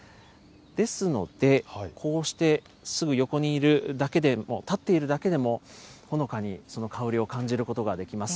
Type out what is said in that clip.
ですので、こうしてすぐ横にいるだけで、立っているだけでもほのかにその香りを感じることができます。